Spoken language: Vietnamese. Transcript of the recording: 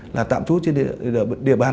là tạm trú trên địa bàn